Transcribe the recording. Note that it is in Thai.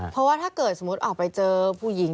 เพราะว่าถ้าเกิดสมมุติออกไปเจอผู้หญิง